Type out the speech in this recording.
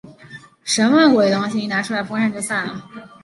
什么鬼东西？一拿出来风扇就散了。